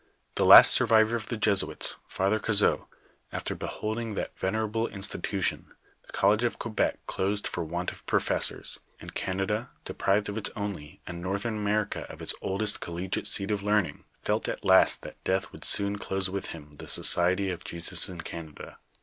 The last survivor of the Jesuits, Father Cazot, after behold ing that venerable institution, the college of Quebec closed for want of professors, and Canada deprived of its only and Northern America of its oldest collegiate seat of learning, felt at last that death would soon close with him the Society of Jesus in Canada.